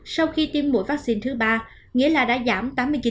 sau khi tiêm mũi vaccine thứ ba nghĩa là đã giảm tám mươi chín